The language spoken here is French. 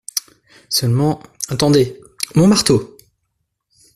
Seulement, attendez… mon marteau !